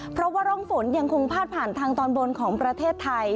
เพราะว่าร่องฝนยังคงพาดผ่านทางตอนบนของประเทศไทย